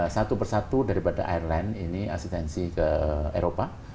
satu persatu daripada airline ini asistensi ke eropa